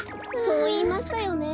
そういいましたよね。